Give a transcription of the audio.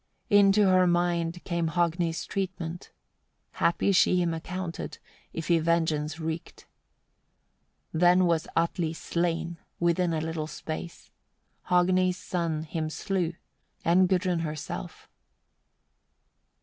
88. Into her mind came Hogni's treatment; happy she him accounted, if he vengeance wreaked. Then was Atli slain, within a little space; Hogni's son him slew, and Gudrun herself.